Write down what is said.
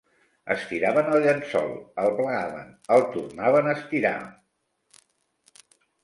Estiraven el llençol, el plegaven, el tornaven a estirar...